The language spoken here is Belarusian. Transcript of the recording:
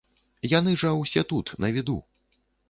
Яны жа ўсе тут, на віду.